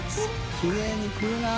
きれいに食うなぁ。